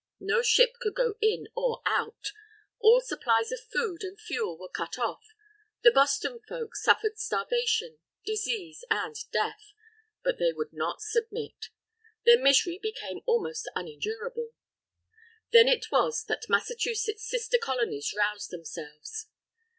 No ship could go in or out; all supplies of food and fuel were cut off. The Boston folk suffered starvation, disease, and death; but they would not submit. Their misery became almost unendurable. Then it was that Massachusetts' sister Colonies roused themselves.